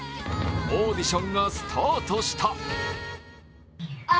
オーディションがスタートした。